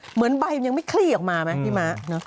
เหมือนใบมันยังไม่คลี่ออกมาไหมพี่ม้า